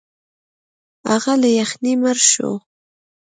هغه له یخنۍ مړ شو.